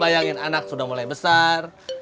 bayangin anak sudah mulai besar